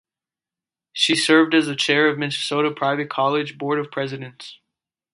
She served as the chair of the Minnesota Private College Board of Presidents.